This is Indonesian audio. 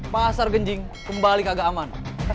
pasar genjing kembali kagak aman